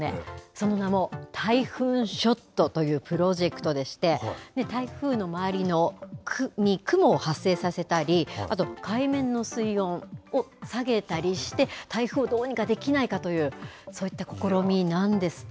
その名も、タイフーンショットというプロジェクトでして、台風の周りに雲を発生させたり、あと海面の水温を下げたりして、台風をどうにかできないかという、そういった試みなんですって。